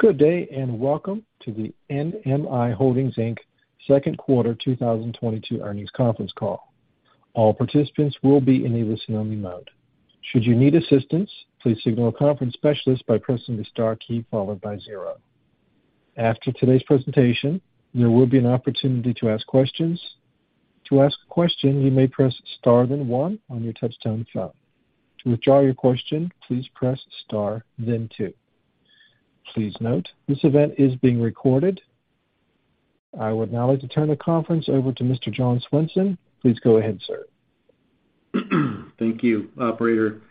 Good day, and welcome to the NMI Holdings, Inc. second quarter 2022 earnings conference call. All participants will be in a listen-only mode. Should you need assistance, please signal a conference specialist by pressing the star key followed by zero. After today's presentation, there will be an opportunity to ask questions. To ask a question, you may press star, then one on your touch-tone phone. To withdraw your question, please press star, then two. Please note, this event is being recorded. I would now like to turn the conference over to Mr. John Swenson. Please go ahead, sir. Thank you, operator.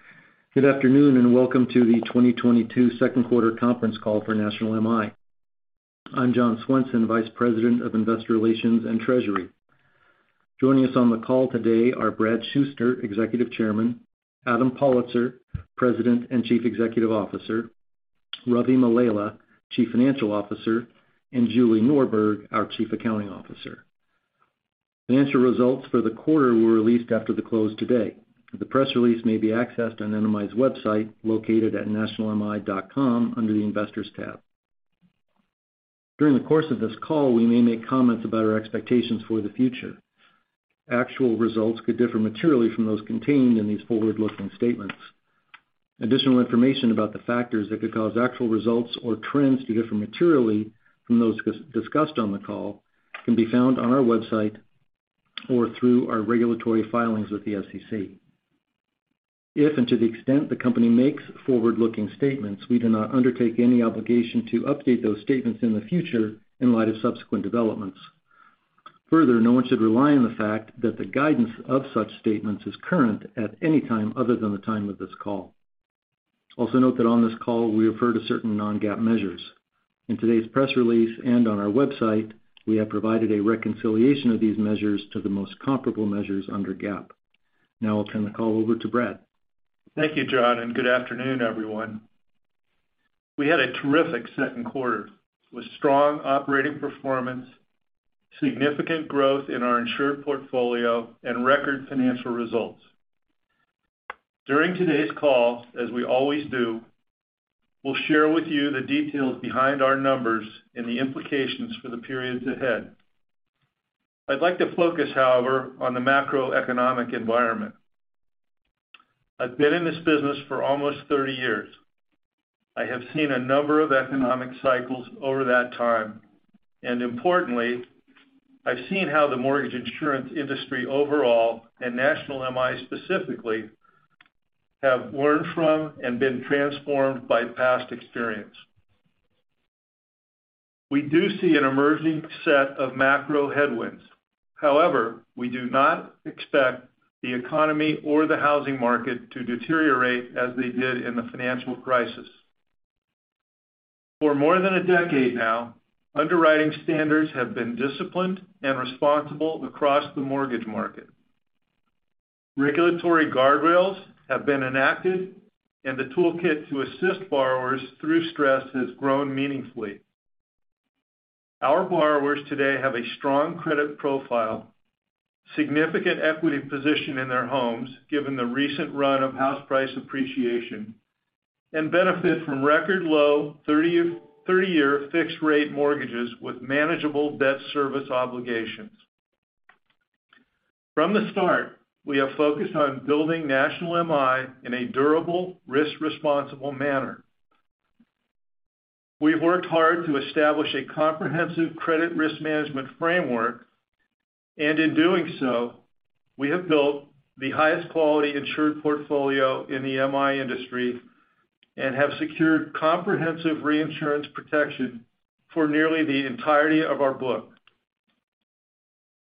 Good afternoon, and welcome to the 2022 second quarter conference call for National MI. I'm John Swenson, Vice President of Investor Relations and Treasury. Joining us on the call today are Brad Shuster, Executive Chairman, Adam Pollitzer, President and Chief Executive Officer, Ravi Mallela, Chief Financial Officer, and Julie Norberg, our Chief Accounting Officer. Financial results for the quarter were released after the close today. The press release may be accessed on NMI's website located at nationalmi.com under the Investors tab. During the course of this call, we may make comments about our expectations for the future. Actual results could differ materially from those contained in these forward-looking statements. Additional information about the factors that could cause actual results or trends to differ materially from those discussed on the call can be found on our website or through our regulatory filings with the SEC. If and to the extent the company makes forward-looking statements, we do not undertake any obligation to update those statements in the future in light of subsequent developments. Further, no one should rely on the fact that the guidance of such statements is current at any time other than the time of this call. Also note that on this call, we refer to certain non-GAAP measures. In today's press release and on our website, we have provided a reconciliation of these measures to the most comparable measures under GAAP. Now I'll turn the call over to Brad. Thank you, John, and good afternoon, everyone. We had a terrific second quarter with strong operating performance, significant growth in our insured portfolio, and record financial results. During today's call, as we always do, we'll share with you the details behind our numbers and the implications for the periods ahead. I'd like to focus, however, on the macroeconomic environment. I've been in this business for almost 30 years. I have seen a number of economic cycles over that time. Importantly, I've seen how the mortgage insurance industry overall, and National MI specifically, have learned from and been transformed by past experience. We do see an emerging set of macro headwinds. However, we do not expect the economy or the housing market to deteriorate as they did in the financial crisis. For more than a decade now, underwriting standards have been disciplined and responsible across the mortgage market. Regulatory guardrails have been enacted, and the toolkit to assist borrowers through stress has grown meaningfully. Our borrowers today have a strong credit profile, significant equity position in their homes, given the recent run of house price appreciation, and benefit from record low thirty-year fixed rate mortgages with manageable debt service obligations. From the start, we have focused on building National MI in a durable, risk-responsible manner. We've worked hard to establish a comprehensive credit risk management framework, and in doing so, we have built the highest quality insured portfolio in the MI industry and have secured comprehensive reinsurance protection for nearly the entirety of our book.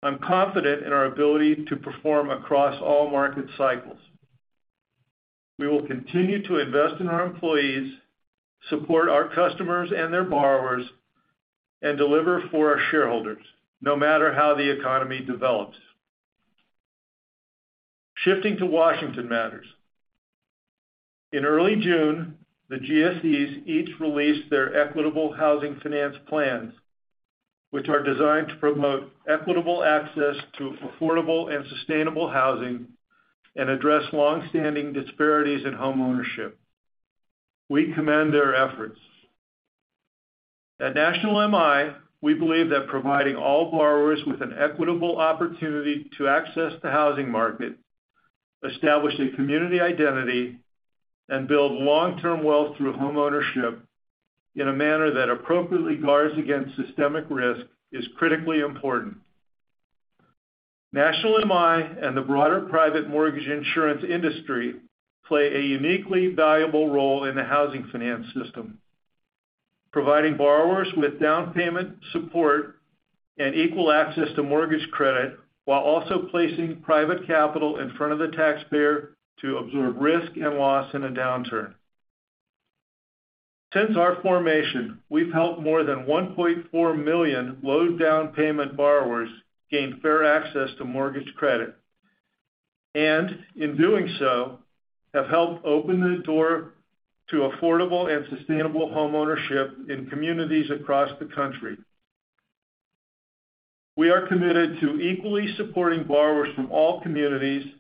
I'm confident in our ability to perform across all market cycles. We will continue to invest in our employees, support our customers and their borrowers, and deliver for our shareholders, no matter how the economy develops. Shifting to Washington matters. In early June, the GSEs each released their equitable housing finance plans, which are designed to promote equitable access to affordable and sustainable housing and address long-standing disparities in homeownership. We commend their efforts. At National MI, we believe that providing all borrowers with an equitable opportunity to access the housing market, establish a community identity, and build long-term wealth through homeownership in a manner that appropriately guards against systemic risk is critically important. National MI and the broader private mortgage insurance industry play a uniquely valuable role in the housing finance system. Providing borrowers with down payment support and equal access to mortgage credit while also placing private capital in front of the taxpayer to absorb risk and loss in a downturn. Since our formation, we've helped more than 1.4 million low down payment borrowers gain fair access to mortgage credit. In doing so, have helped open the door to affordable and sustainable homeownership in communities across the country. We are committed to equally supporting borrowers from all communities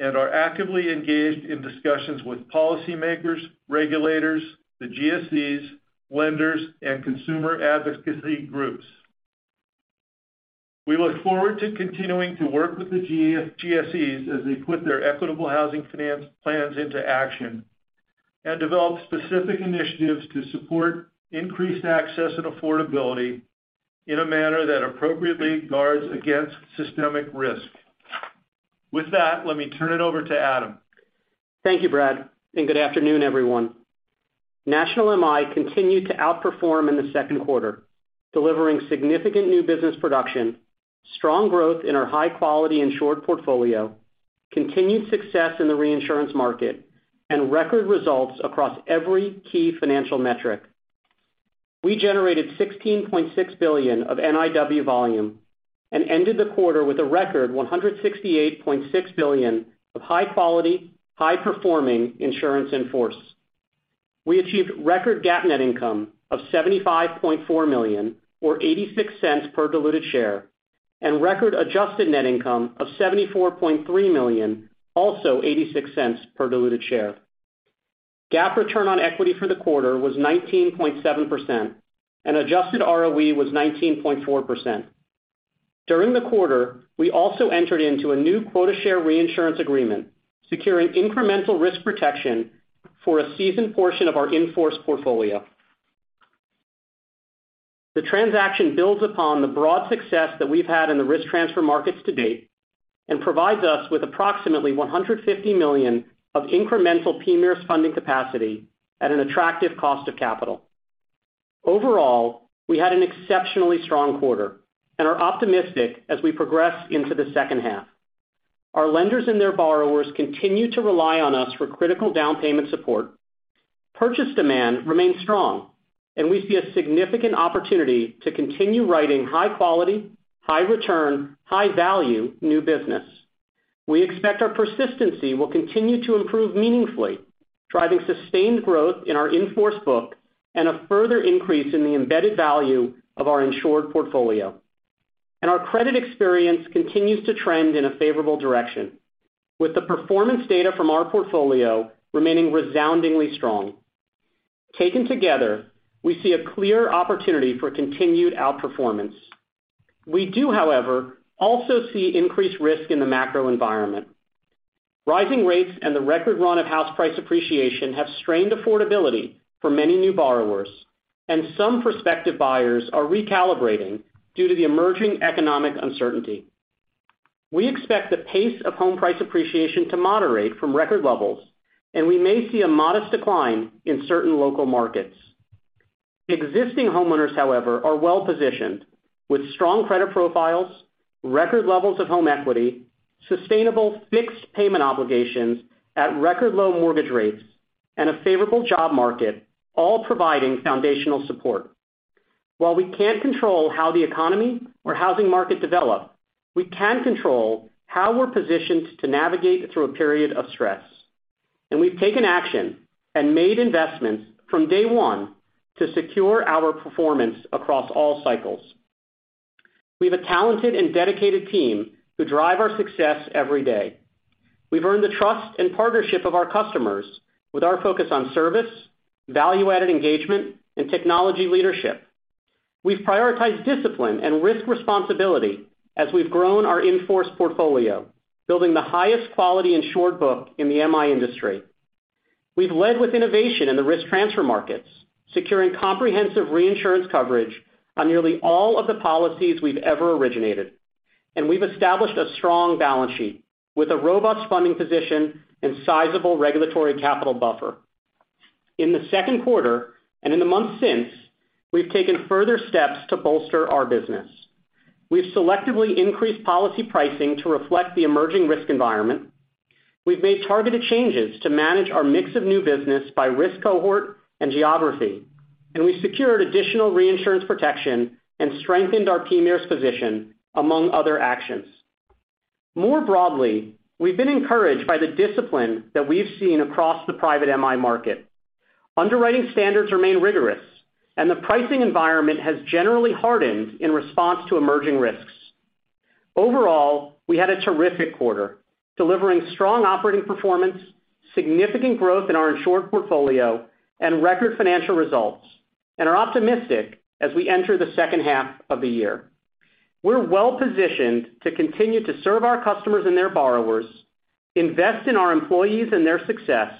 and are actively engaged in discussions with policymakers, regulators, the GSEs, lenders, and consumer advocacy groups. We look forward to continuing to work with the GSEs as they put their equitable housing finance plans into action and develop specific initiatives to support increased access and affordability in a manner that appropriately guards against systemic risk. With that, let me turn it over to Adam. Thank you, Brad, and good afternoon, everyone. National MI continued to outperform in the second quarter, delivering significant new business production, strong growth in our high-quality insured portfolio, continued success in the reinsurance market, and record results across every key financial metric. We generated 16.6 billion of NIW volume and ended the quarter with a record 168.6 billion of high quality, high-performing insurance in force. We achieved record GAAP net income of $75.4 million, or $0.86 per diluted share, and record adjusted net income of $74.3 million, also $0.86 per diluted share. GAAP return on equity for the quarter was 19.7% and adjusted ROE was 19.4%. During the quarter, we also entered into a new quota share reinsurance agreement, securing incremental risk protection for a seasoned portion of our in-force portfolio. The transaction builds upon the broad success that we've had in the risk transfer markets to date and provides us with approximately $150 million of incremental PMIERs funding capacity at an attractive cost of capital. Overall, we had an exceptionally strong quarter and are optimistic as we progress into the second half. Our lenders and their borrowers continue to rely on us for critical down payment support. Purchase demand remains strong, and we see a significant opportunity to continue writing high quality, high return, high value new business. We expect our persistency will continue to improve meaningfully, driving sustained growth in our in-force book and a further increase in the embedded value of our insured portfolio. Our credit experience continues to trend in a favorable direction, with the performance data from our portfolio remaining resoundingly strong. Taken together, we see a clear opportunity for continued outperformance. We do, however, also see increased risk in the macro environment. Rising rates and the record run of house price appreciation have strained affordability for many new borrowers, and some prospective buyers are recalibrating due to the emerging economic uncertainty. We expect the pace of home price appreciation to moderate from record levels, and we may see a modest decline in certain local markets. Existing homeowners, however, are well-positioned, with strong credit profiles, record levels of home equity, sustainable fixed payment obligations at record low mortgage rates, and a favorable job market, all providing foundational support. While we can't control how the economy or housing market develop, we can control how we're positioned to navigate through a period of stress. We've taken action and made investments from day one to secure our performance across all cycles. We have a talented and dedicated team who drive our success every day. We've earned the trust and partnership of our customers with our focus on service, value-added engagement, and technology leadership. We've prioritized discipline and risk responsibility as we've grown our in-force portfolio, building the highest quality insured book in the MI industry. We've led with innovation in the risk transfer markets, securing comprehensive reinsurance coverage on nearly all of the policies we've ever originated. We've established a strong balance sheet with a robust funding position and sizable regulatory capital buffer. In the second quarter, and in the months since, we've taken further steps to bolster our business. We've selectively increased policy pricing to reflect the emerging risk environment. We've made targeted changes to manage our mix of new business by risk cohort and geography. We secured additional reinsurance protection and strengthened our PMIERs position, among other actions. More broadly, we've been encouraged by the discipline that we've seen across the private MI market. Underwriting standards remain rigorous and the pricing environment has generally hardened in response to emerging risks. Overall, we had a terrific quarter, delivering strong operating performance, significant growth in our insured portfolio, and record financial results, and are optimistic as we enter the second half of the year. We're well-positioned to continue to serve our customers and their borrowers, invest in our employees and their success,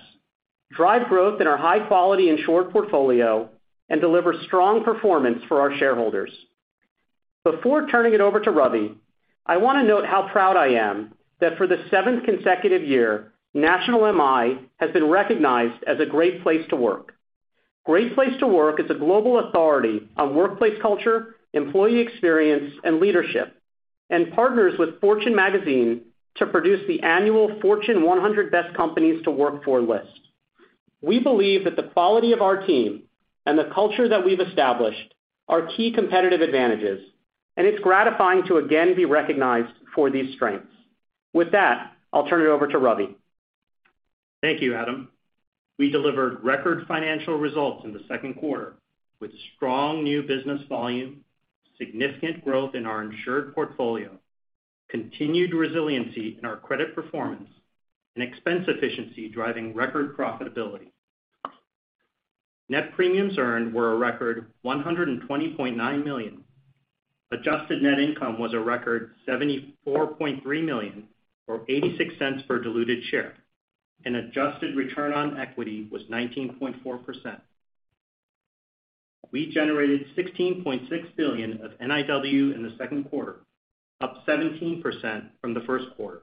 drive growth in our high-quality insured portfolio, and deliver strong performance for our shareholders. Before turning it over to Ravi, I want to note how proud I am that for the seventh consecutive year, National MI has been recognized as a Great Place to Work. Great Place to Work is a global authority on workplace culture, employee experience, and leadership, and partners with Fortune magazine to produce the annual Fortune 100 Best Companies to Work For list. We believe that the quality of our team and the culture that we've established are key competitive advantages, and it's gratifying to again be recognized for these strengths. With that, I'll turn it over to Ravi. Thank you, Adam. We delivered record financial results in the second quarter, with strong new business volume, significant growth in our insured portfolio, continued resiliency in our credit performance and expense efficiency driving record profitability. Net premiums earned were a record $120.9 million. Adjusted net income was a record $74.3 million, or $0.86 per diluted share, and adjusted return on equity was 19.4%. We generated $16.6 billion of NIW in the second quarter, up 17% from the first quarter.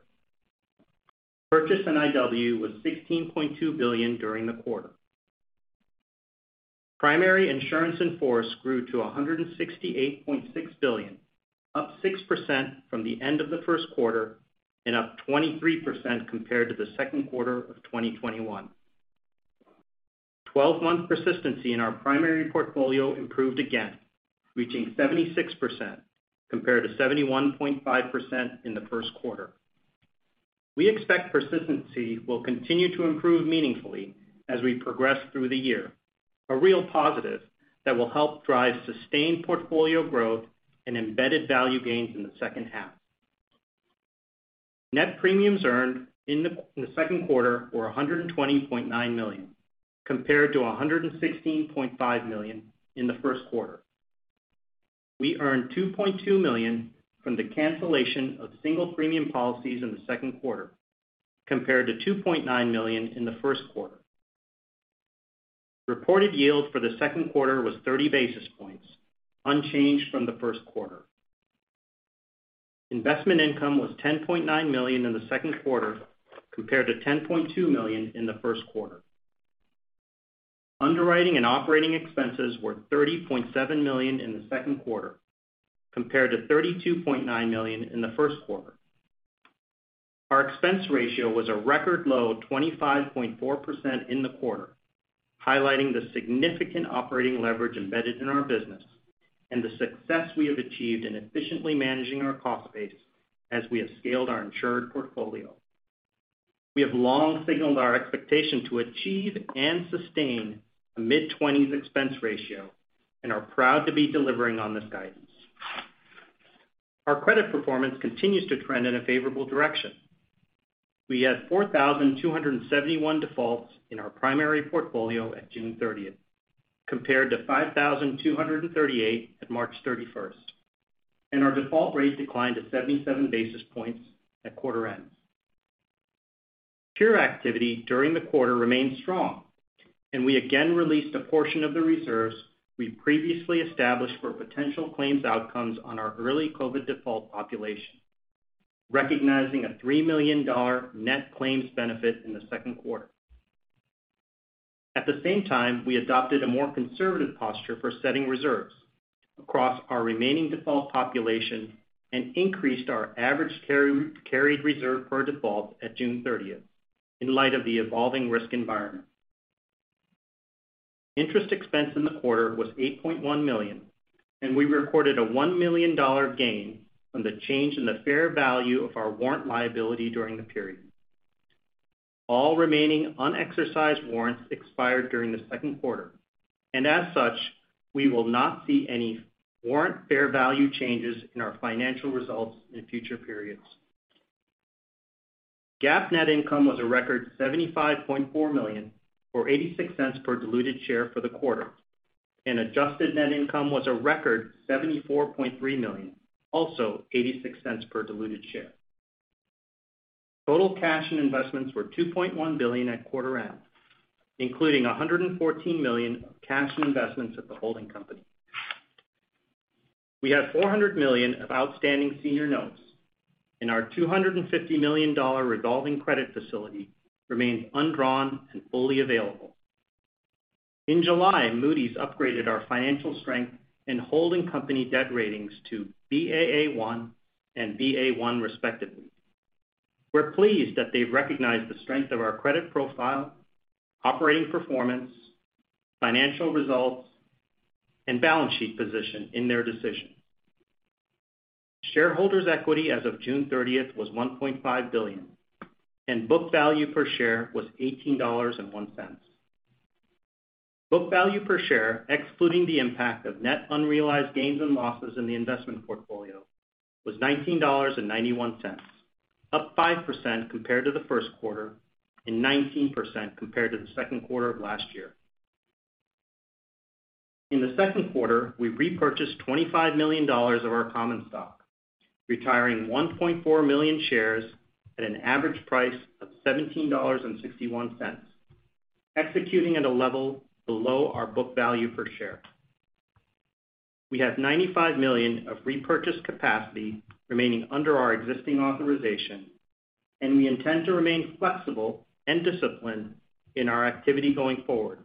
Purchase NIW was $16.2 billion during the quarter. Primary insurance in force grew to $168.6 billion, up 6% from the end of the first quarter and up 23% compared to the second quarter of 2021. Twelve-month persistency in our primary portfolio improved again, reaching 76% compared to 71.5% in the first quarter. We expect persistency will continue to improve meaningfully as we progress through the year, a real positive that will help drive sustained portfolio growth and embedded value gains in the second half. Net premiums earned in the second quarter were $120.9 million, compared to $116.5 million in the first quarter. We earned $2.2 million from the cancellation of single premium policies in the second quarter, compared to $2.9 million in the first quarter. Reported yield for the second quarter was thirty basis points, unchanged from the first quarter. Investment income was $10.9 million in the second quarter, compared to $10.2 million in the first quarter. Underwriting and operating expenses were $30.7 million in the second quarter, compared to $32.9 million in the first quarter. Our expense ratio was a record low of 25.4% in the quarter, highlighting the significant operating leverage embedded in our business and the success we have achieved in efficiently managing our cost base as we have scaled our insured portfolio. We have long signaled our expectation to achieve and sustain a mid-twenties expense ratio and are proud to be delivering on this guidance. Our credit performance continues to trend in a favorable direction. We had 4,271 defaults in our primary portfolio at June 30, compared to 5,238 at March 31, and our default rate declined to 77 basis points at quarter end. Cure activity during the quarter remained strong, and we again released a portion of the reserves we previously established for potential claims outcomes on our early COVID default population, recognizing a $3 million net claims benefit in the second quarter. At the same time, we adopted a more conservative posture for setting reserves across our remaining default population and increased our average carried reserve per default at June 30 in light of the evolving risk environment. Interest expense in the quarter was $8.1 million, and we recorded a $1 million gain on the change in the fair value of our warrant liability during the period. All remaining unexercised warrants expired during the second quarter, and as such, we will not see any warrant fair value changes in our financial results in future periods. GAAP net income was a record $75.4 million or $0.86 per diluted share for the quarter, and adjusted net income was a record $74.3 million, also $0.86 per diluted share. Total cash and investments were $2.1 billion at quarter end, including $114 million of cash and investments at the holding company. We have $400 million of outstanding senior notes, and our $250 million revolving credit facility remains undrawn and fully available. In July, Moody's upgraded our financial strength and holding company debt ratings to Baa1 and Ba1, respectively. We're pleased that they've recognized the strength of our credit profile, operating performance, financial results, and balance sheet position in their decision. Shareholders' equity as of June 30 was $1.5 billion, and book value per share was $18.01. Book value per share, excluding the impact of net unrealized gains and losses in the investment portfolio, was $19.91, up 5% compared to the first quarter and 19% compared to the second quarter of last year. In the second quarter, we repurchased $25 million of our common stock, retiring 1.4 million shares at an average price of $17.61, executing at a level below our book value per share. We have $95 million of repurchase capacity remaining under our existing authorization, and we intend to remain flexible and disciplined in our activity going forward,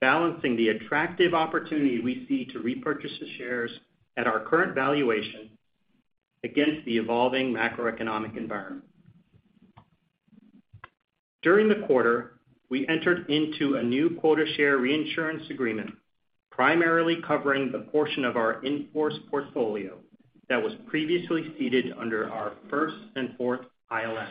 balancing the attractive opportunity we see to repurchase the shares at our current valuation against the evolving macroeconomic environment. During the quarter, we entered into a new quota share reinsurance agreement. Primarily covering the portion of our in-force portfolio that was previously ceded under our first and fourth ILN.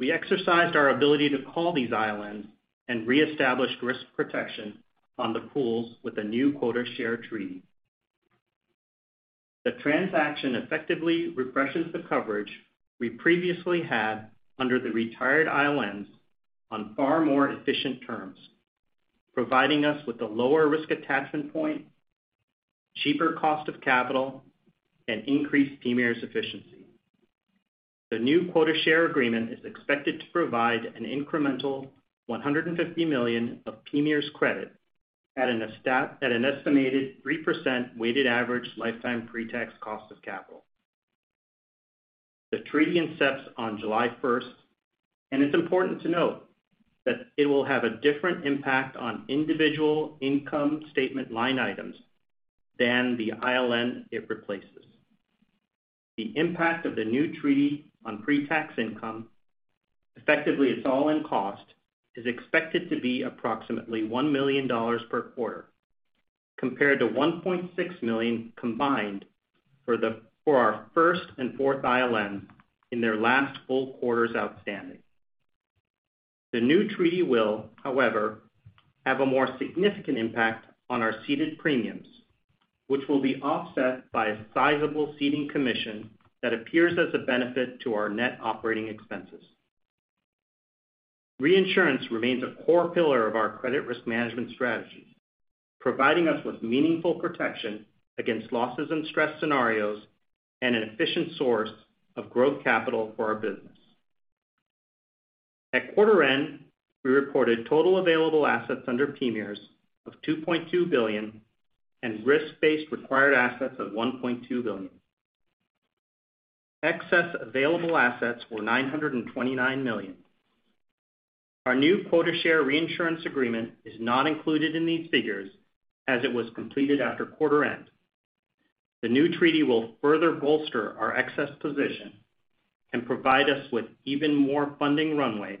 We exercised our ability to call these ILNs and reestablish risk protection on the pools with a new quota share treaty. The transaction effectively refreshes the coverage we previously had under the retired ILNs on far more efficient terms, providing us with a lower risk attachment point, cheaper cost of capital, and increased PMIERs efficiency. The new quota share agreement is expected to provide an incremental $150 million of PMIERs credit at an estimated 3% weighted average lifetime pre-tax cost of capital. The treaty incepts on July first, and it's important to note that it will have a different impact on individual income statement line items than the ILN it replaces. The impact of the new treaty on pre-tax income, effectively its all-in cost, is expected to be approximately $1 million per quarter compared to $1.6 million combined for our first and fourth ILN in their last full quarters outstanding. The new treaty will, however, have a more significant impact on our ceded premiums, which will be offset by a sizable ceding commission that appears as a benefit to our net operating expenses. Reinsurance remains a core pillar of our credit risk management strategy, providing us with meaningful protection against losses and stress scenarios and an efficient source of growth capital for our business. At quarter end, we reported total available assets under PMIERs of $2.2 billion and risk-based required assets of $1.2 billion. Excess available assets were $929 million. Our new quota share reinsurance agreement is not included in these figures as it was completed after quarter end. The new treaty will further bolster our excess position and provide us with even more funding runway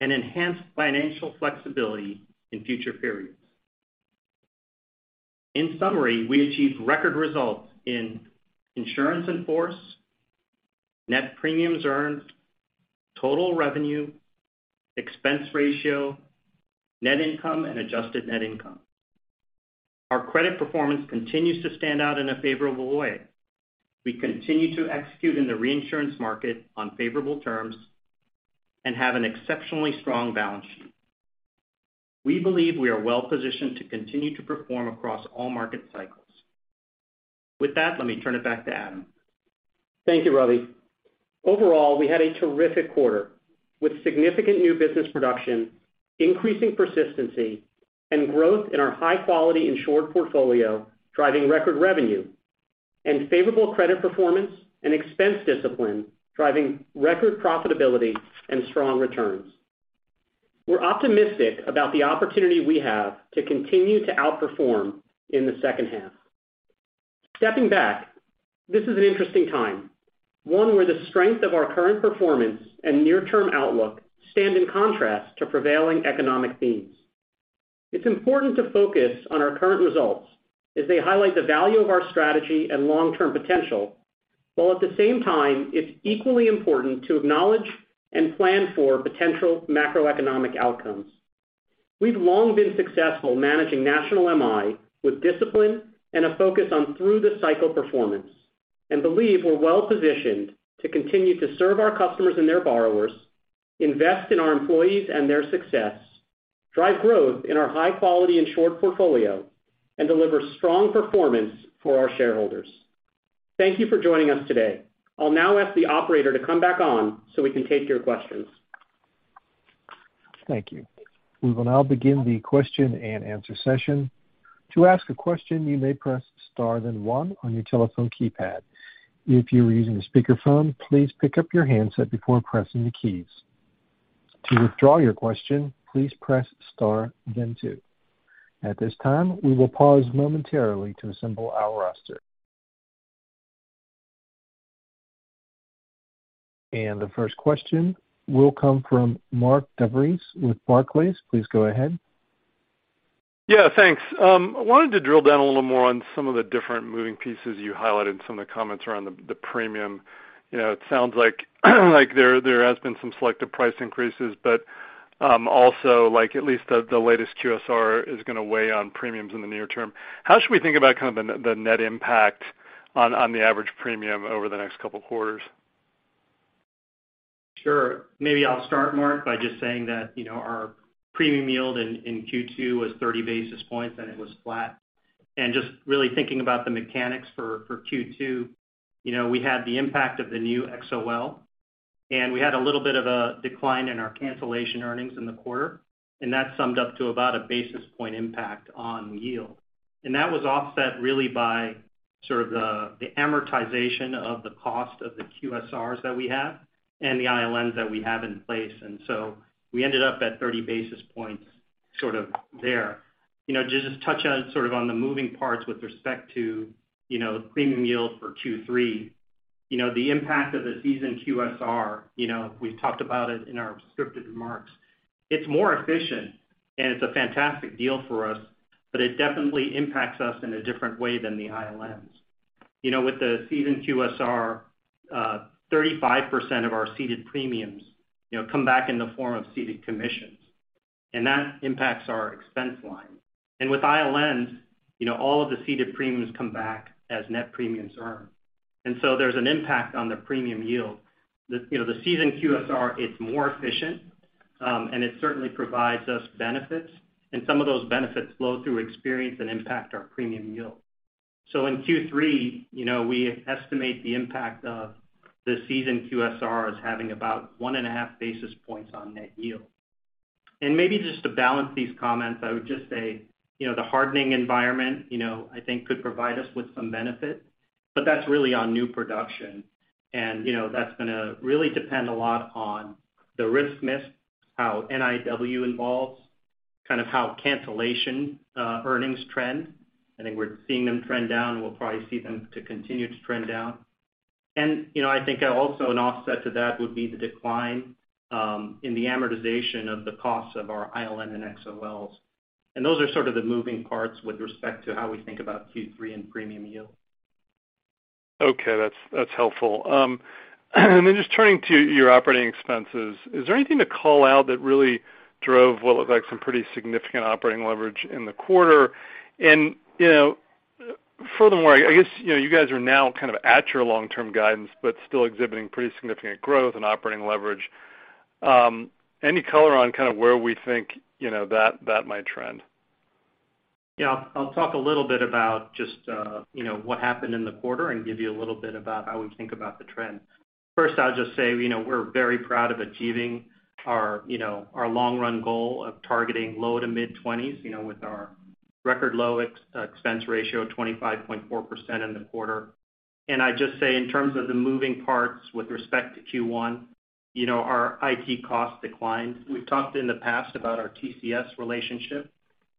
and enhanced financial flexibility in future periods. In summary, we achieved record results in insurance in force, net premiums earned, total revenue, expense ratio, net income and adjusted net income. Our credit performance continues to stand out in a favorable way. We continue to execute in the reinsurance market on favorable terms and have an exceptionally strong balance sheet. We believe we are well positioned to continue to perform across all market cycles. With that, let me turn it back to Adam. Thank you, Ravi. Overall, we had a terrific quarter with significant new business production, increasing persistency and growth in our high-quality insured portfolio, driving record revenue and favorable credit performance and expense discipline, driving record profitability and strong returns. We're optimistic about the opportunity we have to continue to outperform in the second half. Stepping back, this is an interesting time, one where the strength of our current performance and near-term outlook stand in contrast to prevailing economic themes. It's important to focus on our current results as they highlight the value of our strategy and long-term potential, while at the same time, it's equally important to acknowledge and plan for potential macroeconomic outcomes. We've long been successful managing National MI with discipline and a focus on through the cycle performance, and believe we're well positioned to continue to serve our customers and their borrowers, invest in our employees and their success, drive growth in our high quality insured portfolio, and deliver strong performance for our shareholders. Thank you for joining us today. I'll now ask the operator to come back on so we can take your questions. Thank you. We will now begin the question-and-answer session. To ask a question, you may press star then one on your telephone keypad. If you are using a speakerphone, please pick up your handset before pressing the keys. To withdraw your question, please press star then two. At this time, we will pause momentarily to assemble our roster. The first question will come from Mark DeVries with Barclays. Please go ahead. Yeah, thanks. I wanted to drill down a little more on some of the different moving pieces you highlighted in some of the comments around the premium. You know, it sounds like there has been some selective price increases, but also, like at least the latest QSR is gonna weigh on premiums in the near term. How should we think about kind of the net impact on the average premium over the next couple quarters? Sure. Maybe I'll start, Mark, by just saying that, you know, our premium yield in Q2 was 30 basis points, and it was flat. Just really thinking about the mechanics for Q2, you know, we had the impact of the new XOL, and we had a little bit of a decline in our cancellation earnings in the quarter, and that summed up to about a basis point impact on yield. That was offset really by sort of the amortization of the cost of the QSRs that we have and the ILNs that we have in place. We ended up at 30 basis points sort of there. You know, just to touch on sort of on the moving parts with respect to, you know, premium yield for Q3. You know, the impact of the Seasoned QM, you know, we've talked about it in our scripted remarks. It's more efficient and it's a fantastic deal for us, but it definitely impacts us in a different way than the ILNs. You know, with the Seasoned QM, 35% of our ceded premiums, you know, come back in the form of ceded commissions, and that impacts our expense line. With ILNs, you know, all of the ceded premiums come back as net premiums earned. There's an impact on the premium yield. The, you know, the Seasoned QM, it's more efficient, and it certainly provides us benefits, and some of those benefits flow through expenses and impact our premium yield. In Q3, you know, we estimate the impact of the Seasoned QM as having about one and a half basis points on net yield. Maybe just to balance these comments, I would just say, you know, the hardening environment, you know, I think could provide us with some benefit, but that's really on new production. You know, that's gonna really depend a lot on the risk mix, how NIW evolves, kind of how cancellations, earnings trend. I think we're seeing them trend down. We'll probably see them continue to trend down. You know, I think also an offset to that would be the decline in the amortization of the costs of our ILN and XOLs. Those are sort of the moving parts with respect to how we think about Q3 and premium yield. Okay. That's helpful. Just turning to your operating expenses, is there anything to call out that really drove what looked like some pretty significant operating leverage in the quarter? You know, furthermore, I guess, you know, you guys are now kind of at your long-term guidance, but still exhibiting pretty significant growth and operating leverage. Any color on kind of where we think, you know, that might trend? Yeah. I'll talk a little bit about just what happened in the quarter and give you a little bit about how we think about the trend. First, I'll just say, you know, we're very proud of achieving our, you know, our long run goal of targeting low- to mid-20s, you know, with our record low expense ratio, 25.4% in the quarter. I just say, in terms of the moving parts with respect to Q1 our IT costs declined. We've talked in the past about our TCS relationship.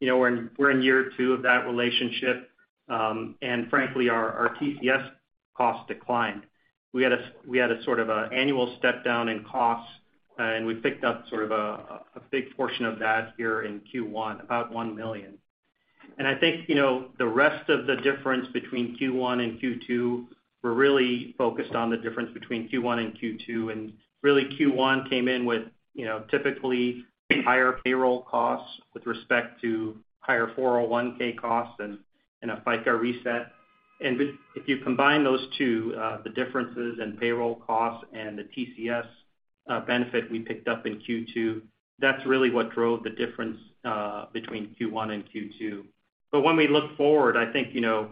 You know, we're in year two of that relationship, and frankly, our TCS costs declined. We had a sort of annual step down in costs, and we picked up sort of a big portion of that here in Q1, about $1 million. I think, you know, the rest of the difference between Q1 and Q2, we're really focused on the difference between Q1 and Q2. Really, Q1 came in with, you know, typically higher payroll costs with respect to higher 401(k) costs and a FICA reset. If you combine those two, the differences in payroll costs and the TCS benefit we picked up in Q2, that's really what drove the difference between Q1 and Q2. When we look forward, I think, you know,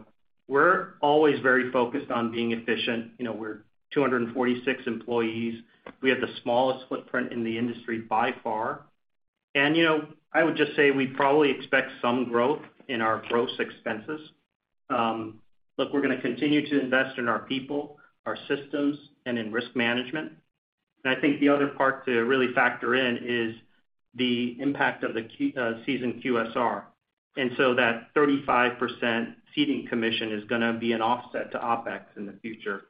we're always very focused on being efficient. You know, we're 246 employees. We have the smallest footprint in the industry by far. You know, I would just say we probably expect some growth in our gross expenses. Look, we're gonna continue to invest in our people, our systems, and in risk management. I think the other part to really factor in is the impact of the seasoned QSR. That 35% ceding commission is gonna be an offset to OpEx in the future.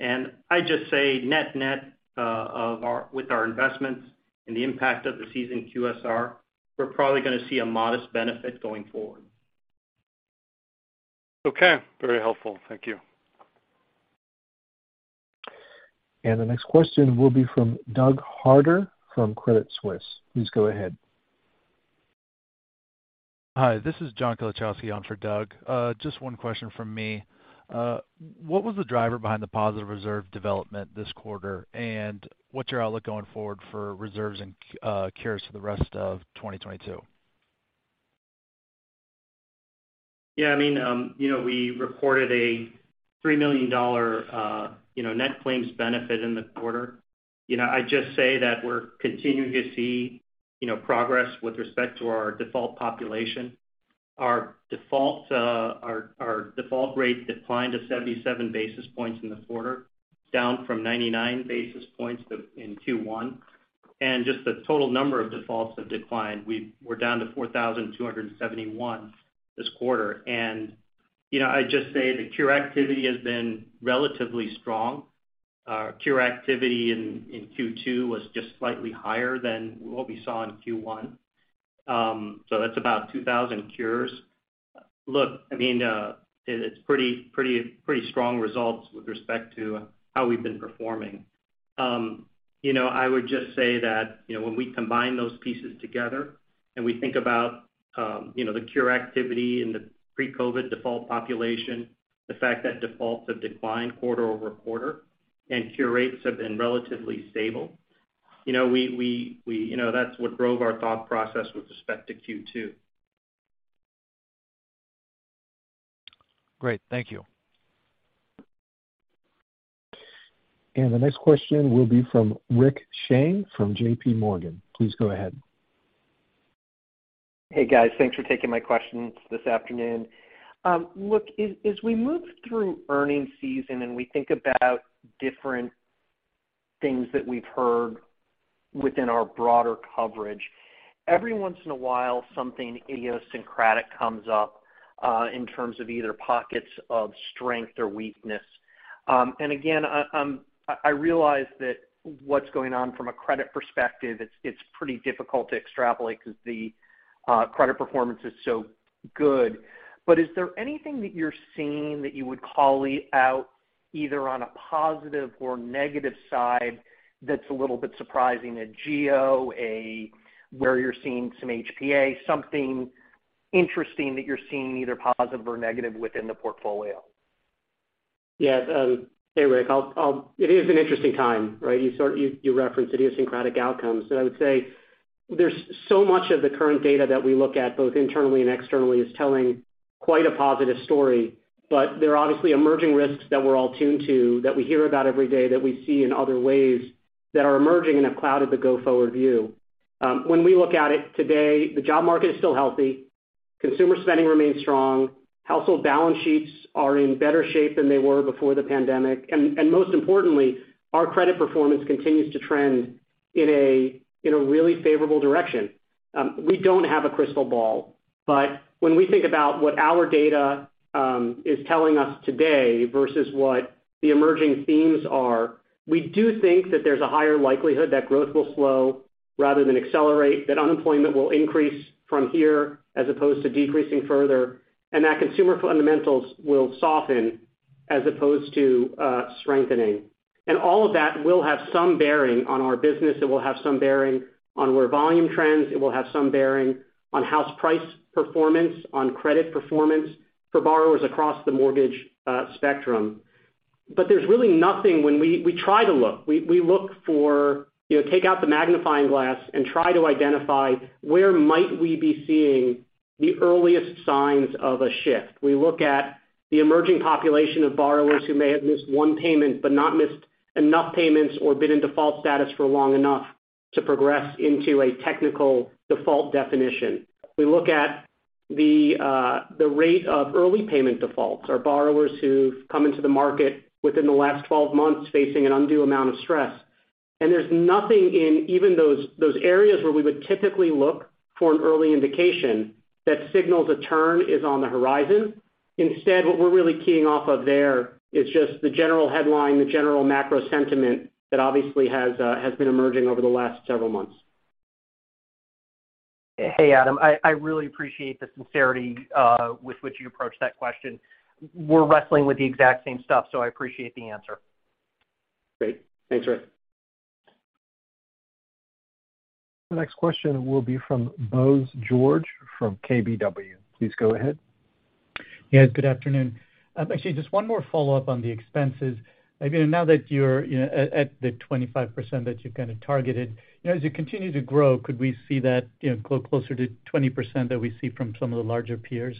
I just say net with our investments and the impact of the seasoned QSR, we're probably gonna see a modest benefit going forward. Okay. Very helpful. Thank you. The next question will be from Doug Harter from Credit Suisse. Please go ahead. Hi, this is [John Kalachowski] on for Doug. Just one question from me. What was the driver behind the positive reserve development this quarter, and what's your outlook going forward for reserves and cures for the rest of 2022? Yeah, I mean, you know, we reported a $3 million net claims benefit in the quarter. You know, I just say that we're continuing to see, you know, progress with respect to our default population. Our default rate declined to 77 basis points in the quarter, down from 99 basis points in Q1. Just the total number of defaults have declined. We're down to 4,271 this quarter. You know, I'd just say the cure activity has been relatively strong. Our cure activity in Q2 was just slightly higher than what we saw in Q1. So that's about 2,000 cures. Look, I mean, it's pretty strong results with respect to how we've been performing. I would just say that, you know, when we combine those pieces together and we think about, you know, the cure activity in the pre-COVID default population, the fact that defaults have declined quarter-over-quarter and cure rates have been relatively stable. You know, that's what drove our thought process with respect to Q2. Great. Thank you. The next question will be from Rick Shane from JPMorgan. Please go ahead. Hey, guys. Thanks for taking my questions this afternoon. Look, as we move through earnings season and we think about different things that we've heard within our broader coverage. Every once in a while, something idiosyncratic comes up in terms of either pockets of strength or weakness. Again, I realize that what's going on from a credit perspective, it's pretty difficult to extrapolate because the credit performance is so good. Is there anything that you're seeing that you would call out either on a positive or negative side that's a little bit surprising, where you're seeing some HPA, something interesting that you're seeing either positive or negative within the portfolio? Yeah. Hey, Rick, it is an interesting time, right? You referenced idiosyncratic outcomes. I would say there's so much of the current data that we look at, both internally and externally, is telling quite a positive story. There are obviously emerging risks that we're all tuned to, that we hear about every day, that we see in other ways that are emerging and have clouded the go-forward view. When we look at it today, the job market is still healthy. Consumer spending remains strong. Household balance sheets are in better shape than they were before the pandemic. Most importantly, our credit performance continues to trend in a really favorable direction. We don't have a crystal ball, but when we think about what our data is telling us today versus what the emerging themes are, we do think that there's a higher likelihood that growth will slow rather than accelerate, that unemployment will increase from here as opposed to decreasing further, and that consumer fundamentals will soften as opposed to strengthening. All of that will have some bearing on our business. It will have some bearing on where volume trends. It will have some bearing on house price performance, on credit performance for borrowers across the mortgage spectrum. There's really nothing when we try to look. We look for, you know, take out the magnifying glass and try to identify where might we be seeing the earliest signs of a shift. We look at the emerging population of borrowers who may have missed one payment but not missed enough payments or been in default status for long enough to progress into a technical default definition. We look at the rate of early payment defaults or borrowers who've come into the market within the last 12 months facing an undue amount of stress. There's nothing in even those areas where we would typically look for an early indication that signals a turn is on the horizon. Instead, what we're really keying off of there is just the general headline, the general macro sentiment that obviously has been emerging over the last several months. Hey, Adam, I really appreciate the sincerity with which you approached that question. We're wrestling with the exact same stuff, so I appreciate the answer. Great. Thanks, Rick. The next question will be from Bose George from KBW. Please go ahead. Yes, good afternoon. Actually just one more follow-up on the expenses. I mean, now that you're, you know, at the 25% that you kind of targeted, you know, as you continue to grow, could we see that, you know, go closer to 20% that we see from some of the larger peers?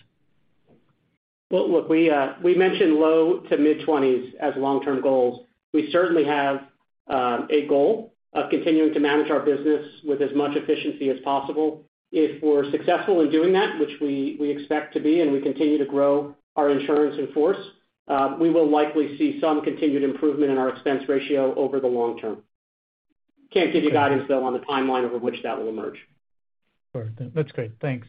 Well, look, we mentioned low- to mid-20s% as long-term goals. We certainly have a goal of continuing to manage our business with as much efficiency as possible. If we're successful in doing that, which we expect to be, and we continue to grow our insurance in force, we will likely see some continued improvement in our expense ratio over the long term. Can't give you guidance, though, on the timeline over which that will emerge. All right. That's great. Thanks.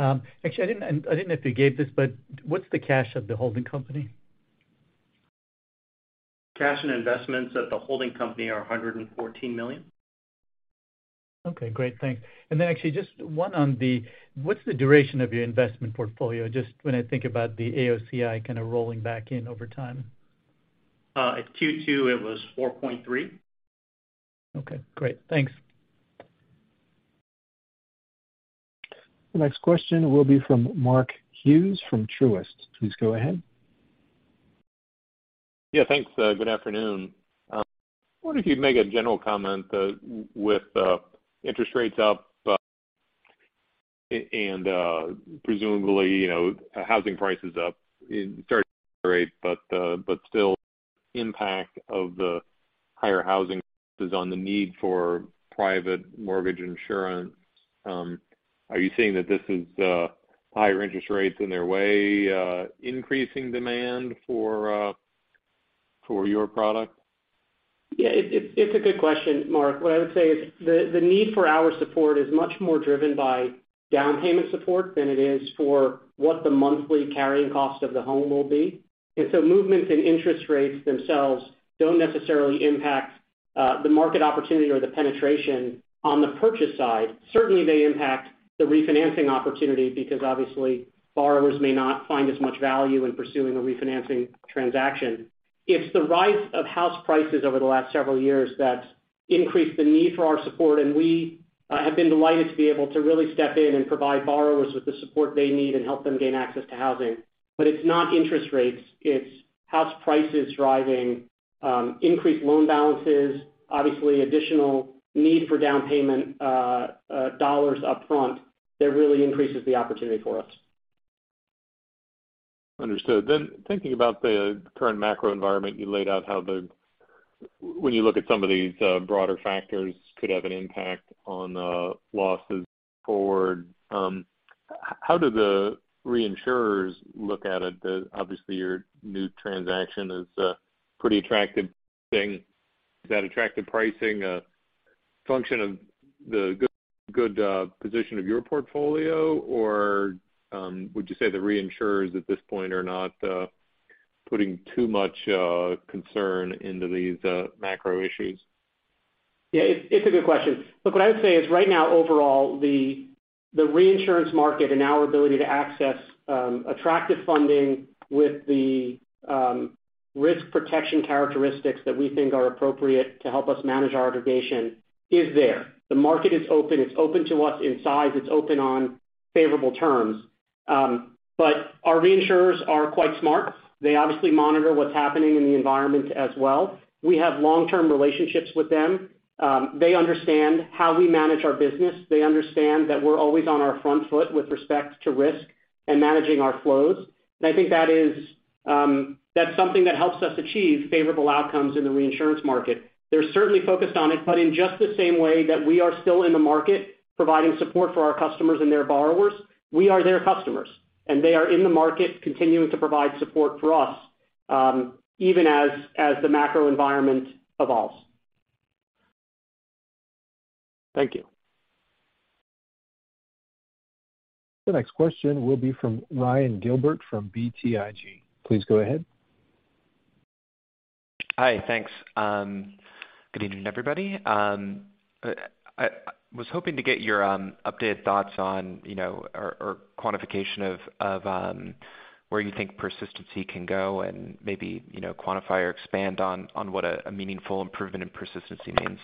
Actually, I didn't know if you gave this, but what's the cash of the holding company? Cash and investments at the holding company are $114 million. Okay, great. Thanks. Actually just one on the, what's the duration of your investment portfolio? Just when I think about the AOCI kind of rolling back in over time. At Q2, it was 4.3. Okay, great. Thanks. The next question will be from Mark Hughes from Truist. Please go ahead. Yeah, thanks. Good afternoon. Wonder if you'd make a general comment with interest rates up and presumably, you know, housing prices up starting to accelerate, but still impact of the higher housing is on the need for private mortgage insurance. Are you seeing that these higher interest rates in the way increasing demand for your product? Yeah, it's a good question, Mark. What I would say is the need for our support is much more driven by down payment support than it is for what the monthly carrying cost of the home will be. Movements in interest rates themselves don't necessarily impact the market opportunity or the penetration on the purchase side. Certainly, they impact the refinancing opportunity because obviously borrowers may not find as much value in pursuing a refinancing transaction. It's the rise of house prices over the last several years that's increased the need for our support, and we have been delighted to be able to really step in and provide borrowers with the support they need and help them gain access to housing. It's not interest rates. It's house prices driving increased loan balances, obviously additional need for down payment dollars upfront that really increases the opportunity for us. Understood. Thinking about the current macro environment, you laid out when you look at some of these broader factors could have an impact on losses forward. How do the reinsurers look at it? Obviously your new transaction is pretty attractive pricing. Is that attractive pricing a function of the good position of your portfolio, or would you say the reinsurers at this point are not putting too much concern into these macro issues? Yeah, it's a good question. Look, what I would say is right now overall, the reinsurance market and our ability to access, attractive funding with the risk protection characteristics that we think are appropriate to help us manage our aggregation is there. The market is open. It's open to us in size. It's open on favorable terms. But our reinsurers are quite smart. They obviously monitor what's happening in the environment as well. We have long-term relationships with them. They understand how we manage our business. They understand that we're always on our front foot with respect to risk and managing our flows. I think that's something that helps us achieve favorable outcomes in the reinsurance market. They're certainly focused on it, but in just the same way that we are still in the market providing support for our customers and their borrowers, we are their customers, and they are in the market continuing to provide support for us, even as the macro environment evolves. Thank you. The next question will be from Ryan Gilbert from BTIG. Please go ahead. Hi. Thanks. Good evening, everybody. I was hoping to get your updated thoughts on, you know, or quantification of where you think persistency can go and maybe, you know, quantify or expand on what a meaningful improvement in persistency means.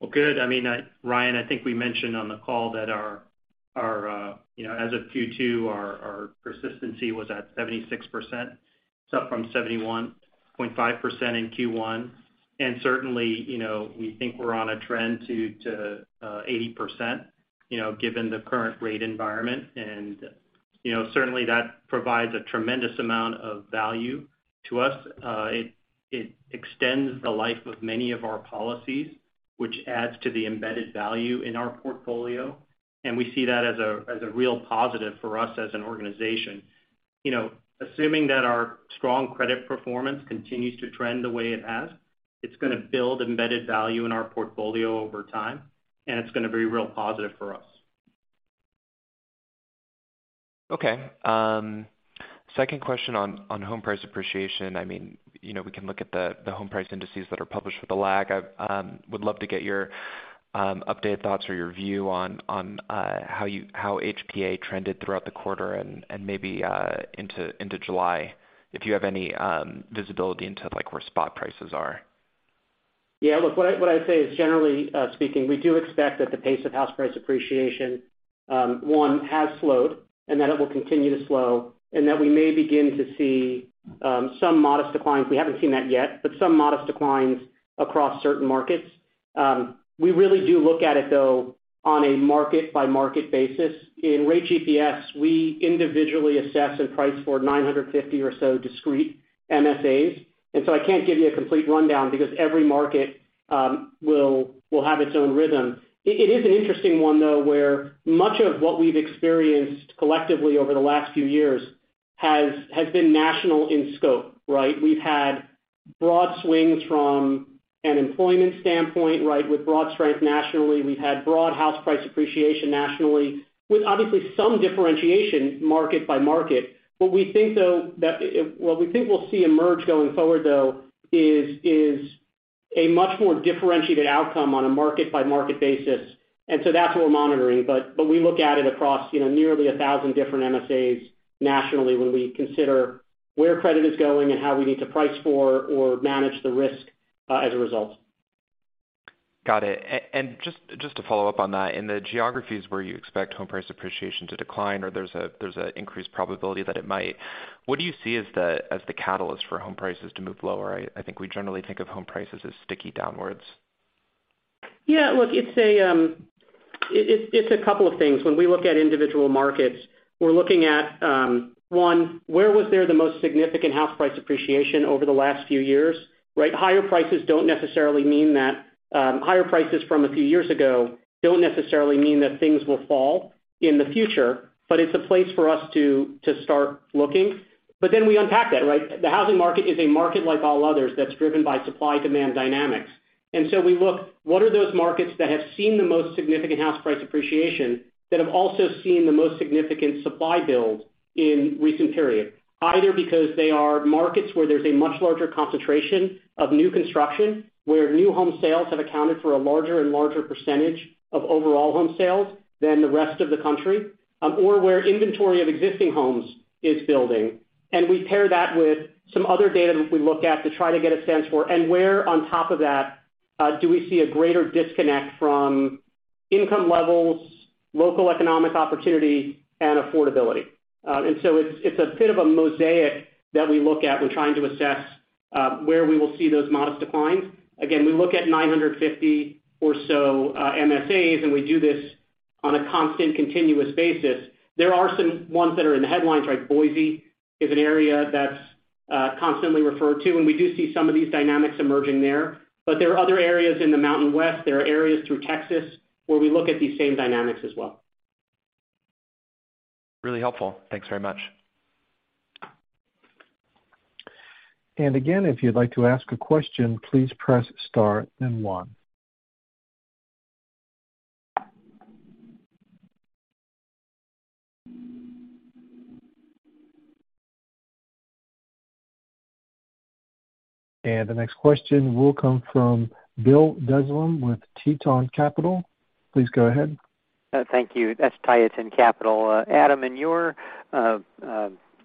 Well, good. I mean, Ryan, I think we mentioned on the call that our, you know, as of Q2, our persistency was at 76%, it's up from 71.5% in Q1. Certainly, you know, we think we're on a trend to 80% given the current rate environment. You know, certainly that provides a tremendous amount of value to us. It extends the life of many of our policies, which adds to the embedded value in our portfolio, and we see that as a real positive for us as an organization. You know, assuming that our strong credit performance continues to trend the way it has, it's gonna build embedded value in our portfolio over time, and it's gonna be real positive for us. Okay. Second question on home price appreciation. I mean, you know, we can look at the home price indices that are published with a lag. I would love to get your updated thoughts or your view on how HPA trended throughout the quarter and maybe into July, if you have any visibility into, like, where spot prices are. Yeah. Look, what I'd say is, generally, speaking, we do expect that the pace of house price appreciation has slowed and that it will continue to slow, and that we may begin to see some modest declines. We haven't seen that yet, but some modest declines across certain markets. We really do look at it though on a market-by-market basis. In Rate GPS, we individually assess and price for 950 or so discrete MSAs. I can't give you a complete rundown because every market will have its own rhythm. It is an interesting one, though, where much of what we've experienced collectively over the last few years has been national in scope, right? We've had broad swings from an employment standpoint, right, with broad strength nationally. We've had broad house price appreciation nationally with obviously some differentiation market by market. What we think, though, we'll see emerge going forward, though, is a much more differentiated outcome on a market-by-market basis. That's what we're monitoring, but we look at it across, you know, nearly a thousand different MSAs nationally when we consider where credit is going and how we need to price for or manage the risk, as a result. Got it. Just to follow up on that, in the geographies where you expect home price appreciation to decline or there's an increased probability that it might, what do you see as the catalyst for home prices to move lower? I think we generally think of home prices as sticky downwards. Yeah. Look, it's a couple of things. When we look at individual markets, we're looking at one, where was there the most significant house price appreciation over the last few years, right? Higher prices don't necessarily mean that higher prices from a few years ago don't necessarily mean that things will fall in the future, but it's a place for us to start looking. Then we unpack that, right? The housing market is a market like all others that's driven by supply and demand dynamics. We look, what are those markets that have seen the most significant house price appreciation that have also seen the most significant supply build in recent period, either because they are markets where there's a much larger concentration of new construction, where new home sales have accounted for a larger and larger percentage of overall home sales than the rest of the country, or where inventory of existing homes is building. We pair that with some other data that we look at to try to get a sense for and where on top of that, do we see a greater disconnect from income levels, local economic opportunity and affordability. It's a bit of a mosaic that we look at when trying to assess where we will see those modest declines. Again, we look at 950 or so MSAs, and we do this on a constant, continuous basis. There are some ones that are in the headlines, like Boise is an area that's constantly referred to, and we do see some of these dynamics emerging there. There are other areas in the Mountain West, there are areas through Texas where we look at these same dynamics as well. Really helpful. Thanks very much. Again, if you'd like to ask a question, please press star then one. The next question will come from with [Bansal] with Titan Capital. Please go ahead. Thank you. That's Titan Capital. Adam, in your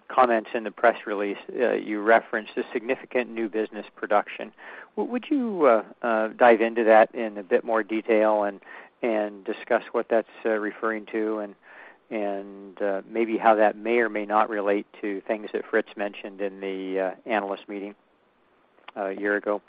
comments in the press release, you referenced a significant new business production. Would you dive into that in a bit more detail and discuss what that's referring to and maybe how that may or may not relate to things that Fritz mentioned in the analyst meeting a year ago?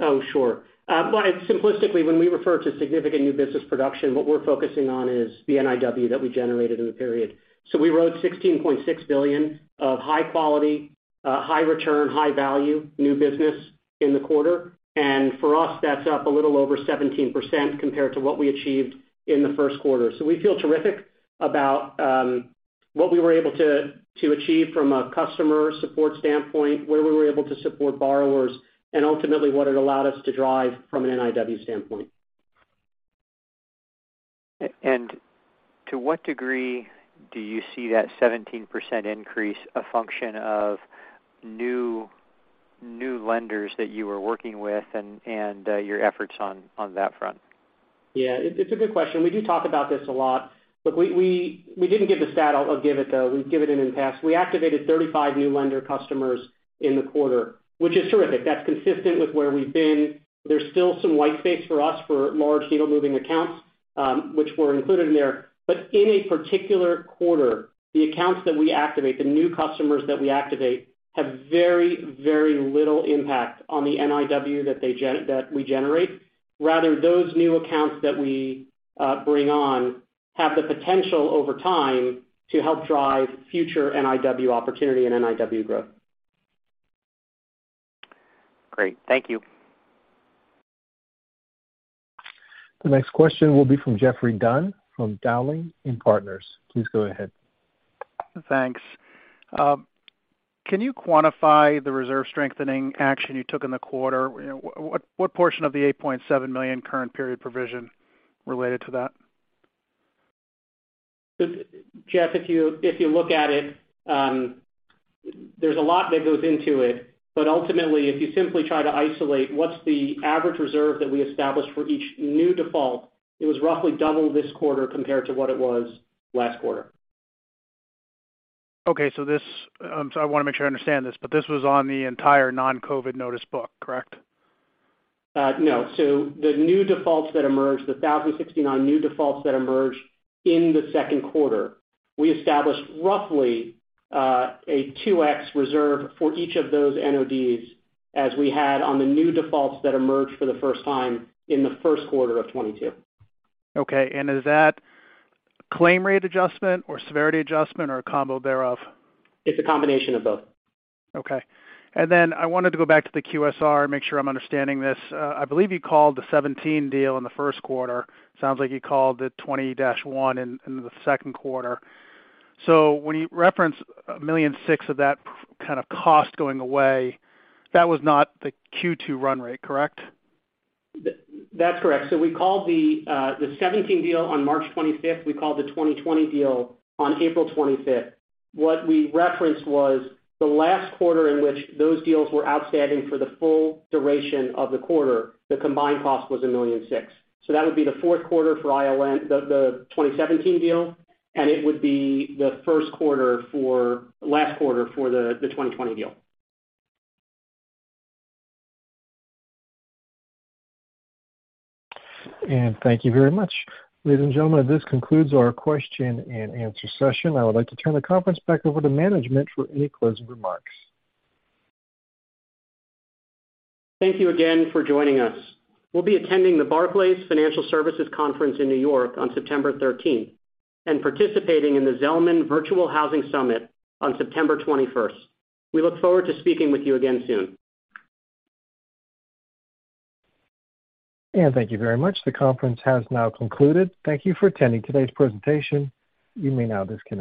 Oh, sure. Well, simplistically, when we refer to significant new business production, what we're focusing on is the NIW that we generated in the period. We wrote $16.6 billion of high quality, high return, high value new business in the quarter. For us, that's up a little over 17% compared to what we achieved in the first quarter. We feel terrific about what we were able to achieve from a customer support standpoint, where we were able to support borrowers, and ultimately what it allowed us to drive from an NIW standpoint. To what degree do you see that 17% increase a function of new lenders that you were working with and your efforts on that front? Yeah, it's a good question. We do talk about this a lot. Look, we didn't give the stat, I'll give it though. We've given it in the past. We activated 35 new lender customers in the quarter, which is terrific. That's consistent with where we've been. There's still some white space for us for large needle-moving accounts, which were included in there. But in a particular quarter, the accounts that we activate, the new customers that we activate, have very, very little impact on the NIW that we generate. Rather, those new accounts that we bring on have the potential over time to help drive future NIW opportunity and NIW growth. Great. Thank you. The next question will be from Geoffrey Dunn from Dowling & Partners. Please go ahead. Thanks. Can you quantify the reserve strengthening action you took in the quarter? You know, what portion of the $8.7 million current period provision related to that? Jeffrey, if you look at it, there's a lot that goes into it. Ultimately, if you simply try to isolate what's the average reserve that we established for each new default, it was roughly double this quarter compared to what it was last quarter. I wanna make sure I understand this, but this was on the entire non-COVID notice book, correct? No. The new defaults that emerged, the 1,069 new defaults that emerged in the second quarter, we established roughly a 2x reserve for each of those NODs as we had on the new defaults that emerged for the first time in the first quarter of 2022. Okay. Is that claim rate adjustment or severity adjustment or a combo thereof? It's a combination of both. I wanted to go back to the QSR and make sure I'm understanding this. I believe you called the 2017 deal in the first quarter. Sounds like you called the 2021 in the second quarter. When you reference $1.6 million of that kind of cost going away, that was not the Q2 run rate, correct? That's correct. We called the '17 deal on March 25. We called the 2020 deal on April 25. What we referenced was the last quarter in which those deals were outstanding for the full duration of the quarter. The combined cost was $1.6 million. That would be the fourth quarter for ILN, the 2017 deal, and it would be the last quarter for the 2020 deal. Thank you very much. Ladies and gentlemen, this concludes our question and answer session. I would like to turn the conference back over to management for any closing remarks. Thank you again for joining us. We'll be attending the Barclays Financial Services Conference in New York on September 13th and participating in the Zelman Virtual Housing Summit on September 21st. We look forward to speaking with you again soon. Thank you very much. The conference has now concluded. Thank you for attending today's presentation. You may now disconnect.